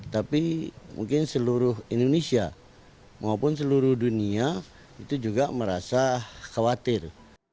tapi mungkin seluruh indonesia maupun seluruh dunia itu juga merasa khawatir